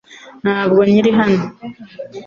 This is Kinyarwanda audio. Ntabwo nkiri hano .